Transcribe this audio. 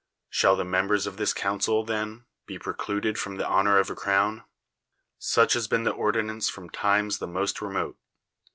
Shall the members of this council, then, be precluded from the honor of a crown? Such has been the ordinance from times the most remote.